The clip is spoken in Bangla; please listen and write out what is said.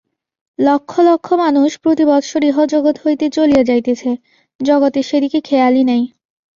লক্ষ লক্ষ মানুষ প্রতিবৎসর ইহজগৎ হইতে চলিয়া যাইতেছে, জগতের সেদিকে খেয়ালই নাই।